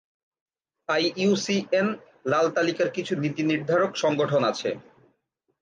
IUCN লাল তালিকার কিছু নীতি-নির্ধারক সংগঠন আছে।